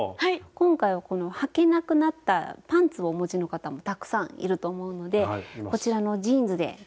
今回はこのはけなくなったパンツをお持ちの方もたくさんいると思うのでこちらのジーンズで挑戦してみて下さい。